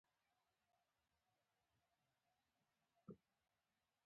هېواد د ژوند هر قدم تعریفوي.